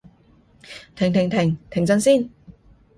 停停停！停陣先